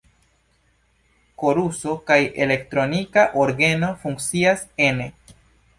Koruso kaj elektronika orgeno funkcias ene.